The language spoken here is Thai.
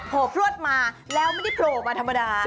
โผล่พลวดมาแล้วไม่ได้โผล่มาธรรมดา